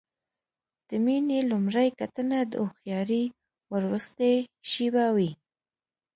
د مینې لومړۍ کتنه د هوښیارۍ وروستۍ شېبه وي.